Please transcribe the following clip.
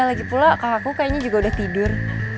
lagipula kakakku juga udah tidur